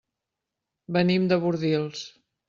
Venim de Bordils.